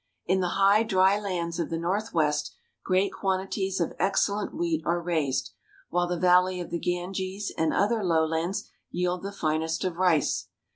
In the high, dry lands of the northwest, great quantities of AMONG THE INDIAN FARMERS 263 excellent wheat are raised, while the valley of the Ganges and other low lands yield the finest of rice.